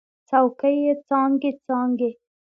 څوکې یې څانګې، څانګې